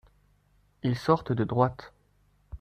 Ils sortent de droite.